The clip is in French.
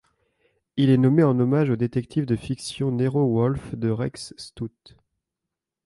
Il est nommé en hommage au détective de fiction Nero Wolfe de Rex Stout.